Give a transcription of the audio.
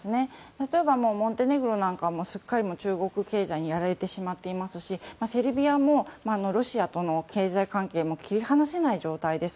例えばモンテネグロなんかはすっかり中国経済にやられてしまっていますしセルビアもロシアとの経済関係も切り離せない状態です。